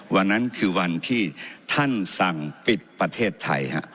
วันนั้นคือวันที่ท่านสั่งปิดประเทศไทย